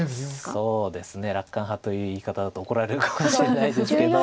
そうですね楽観派という言い方だと怒られるかもしれないですけど。